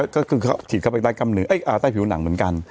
ก็คือเขาฉีดเข้าไปใต้กล้ามเนื้อเอ้ยใต้ผิวหนังเหมือนกัน